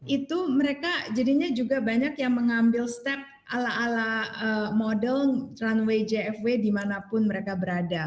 itu mereka jadinya juga banyak yang mengambil step ala ala model runway jfw dimanapun mereka berada